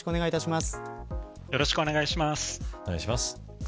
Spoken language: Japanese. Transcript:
よろしくお願いします。